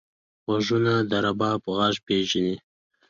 غوږونه د رباب غږ پېژني